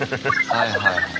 はいはいはい。